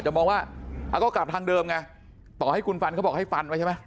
แต่มองว่าก็กลับทางเดิมไงต่อให้คุณฟันเขาบอกให้ฟันไว้ใช่ไหม